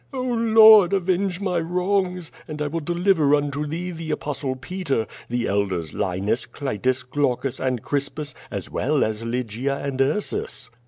Oh Lord, avenge my wrongs, and I will deliver unto thee the Apostle Peter, the elders Linus, Clitus, Glaucus, and Crispus, as well as Lygia and Ursus.